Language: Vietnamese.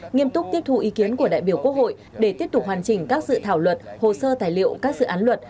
nghiêm túc tiếp thu ý kiến của đại biểu quốc hội để tiếp tục hoàn chỉnh các dự thảo luật hồ sơ tài liệu các dự án luật